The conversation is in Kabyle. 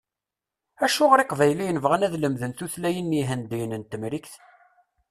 Acuɣer Iqbayliyen bɣan ad lemden tutlayin n yihendiyen n Temrikt?